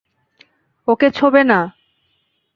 ওকে ছোঁবে না!